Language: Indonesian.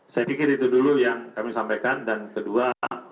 saya pikir itu dulu yang kami sampaikan dan kedua